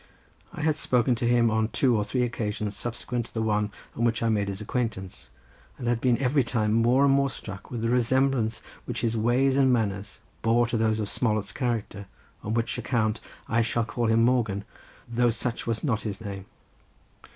I had spoken to him on two or three occasions subsequent to the one on which I made his acquaintance, and had been every time more and more struck with the resemblance which his ways and manners bore to those of Smollett's character, on which account I shall call him Morgan, though such was not his name.